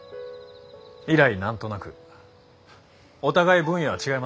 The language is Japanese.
以来何となくお互い分野は違いますけどね。